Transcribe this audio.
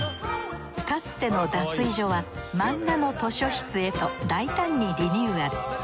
かつての脱衣所は漫画の図書室へと大胆にリニューアル。